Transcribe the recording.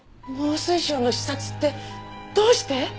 農水省の視察ってどうして？